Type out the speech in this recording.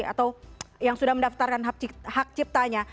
atau yang sudah mendaftarkan hak ciptanya